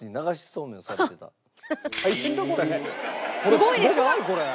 すごいでしょ？